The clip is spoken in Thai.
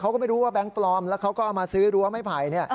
เขาก็ไม่รู้ว่าแบงค์ปลอมแล้วเขาก็เอามาซื้อรั้วไม้ไผ่